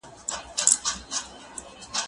زه اجازه لرم چي انځورونه رسم کړم